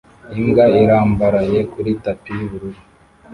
Imbwa irambaraye kuri tapi y'ubururu